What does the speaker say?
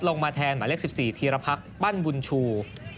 ลงมาแทนหมายเลข๑๔ธีรพรรคปั้นบุญชู